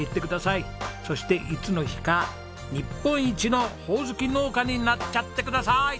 そしていつの日か日本一のホオズキ農家になっちゃってください！